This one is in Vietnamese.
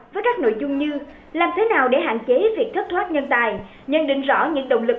với các nội dung như làm thế nào để hạn chế việc thất thoát nhân tài nhận định rõ những động lực